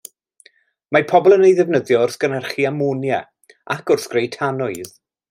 Mae pobl yn ei defnyddio wrth gynhyrchu amonia, ac wrth greu tanwydd.